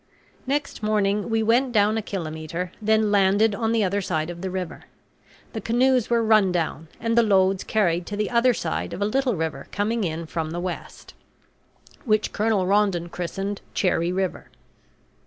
Next morning we went down a kilometre, and then landed on the other side of the river. The canoes were run down, and the loads carried to the other side of a little river coming in from the west, which Colonel Rondon christened Cherrie River.